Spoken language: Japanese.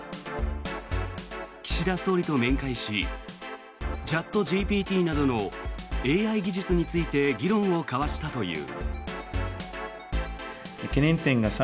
岸田総理と面会しチャットＧＰＴなどのＡＩ技術について議論を交わしたという。